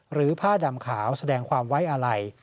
หรือผ้าดำขาวแสดงความไว้อะไร